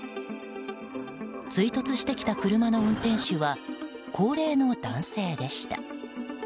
追突してきた車の運転手は高齢の男性でした。